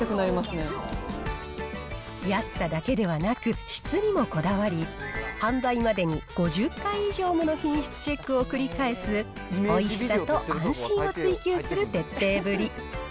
安さだけではなく、質にもこだわり、販売までに５０回以上もの品質チェックを繰り返す、おいしさと安心を追求する徹底ぶり。